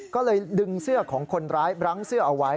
ก็เลยดึงเสื้อของคนร้ายบรั้งเสื้อเอาไว้